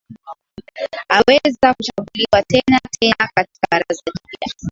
aweza kuchaguliwa tena tena katika baraza jipya